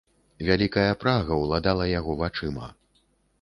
Вялікая прага ўладала яго вачыма.